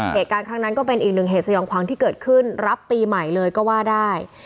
เหตุการณ์ครั้งนั้นก็เป็นอีกหนึ่งเหตุสยองความที่เกิดขึ้นรับปีใหม่เลยก็ว่าได้